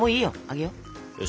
あげよ。